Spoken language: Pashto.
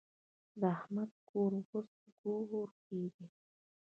د احمد کور اوس کورګی دی.